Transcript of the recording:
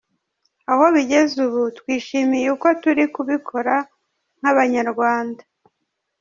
Aho bigeze ubu twishimiye uko turi kubikora nk’Abanyarwanda.